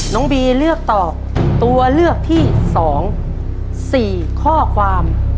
น้องบีเลือกตอบตัวเลือกที่๒๔ข้อความ